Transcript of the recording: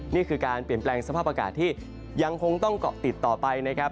นี่คือการเปลี่ยนแปลงสภาพอากาศที่ยังคงต้องเกาะติดต่อไปนะครับ